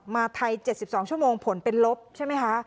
มาไทย๗๒ชั่วโมงผลเป็นลบใช่ไหมคะ